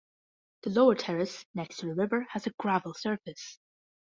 The lower terrace, next to the river, has a gravel surface.